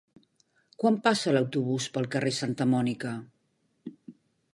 Quan passa l'autobús pel carrer Santa Mònica?